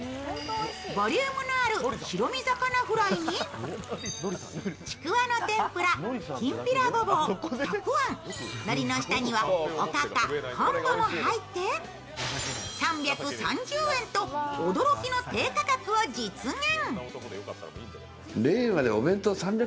ボリュームのある白身魚フライにちくわの天ぷら、きんぴらごぼう、たくあん、のりの下にはおかか昆布も入って３３０円と驚きの低価格を実現。